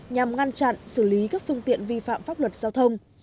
nhằm ngăn chặn xử lý các phương tiện vi phạm pháp luật giao thông